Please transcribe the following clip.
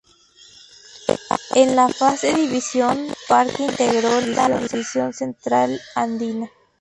En la Fase División, Parque integró la división Central Andina.